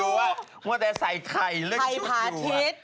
ลืมว่าแต่ใส่ใครลดชุดอยู่